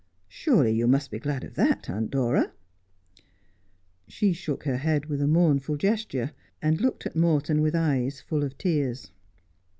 Surely you must be glad of that, Aunt Dora ?' She shook her head with a mournful gesture, and looked at Morton with eyes full of tears.